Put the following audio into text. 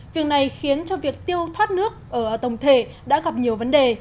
việc này khiến cho việc tiêu thoát nước ở tổng thể đã gặp nhiều vấn đề